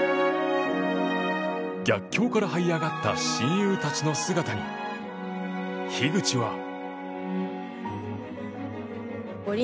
逆境からはい上がった親友たちの姿に、樋口は。